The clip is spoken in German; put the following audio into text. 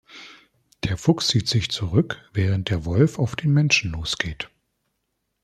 Der Fuchs zieht sich zurück, während der Wolf auf den Menschen losgeht.